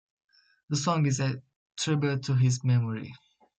The song is a tribute to his memory.